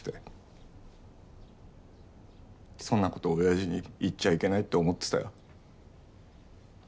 そんな事おやじに言っちゃいけないって思ってたよ。